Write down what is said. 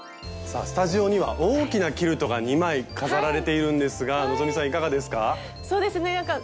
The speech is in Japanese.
さあスタジオには大きなキルトが２枚飾られているんですが希さんいかがですか？